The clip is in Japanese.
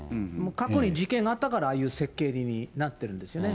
過去に事件があったから、ああいう設計図になってるんですよね。